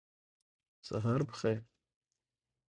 سهار په خیر !